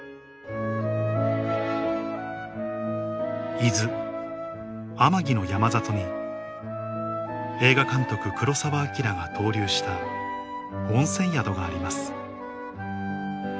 伊豆天城の山里に映画監督黒澤明が留した温泉宿があります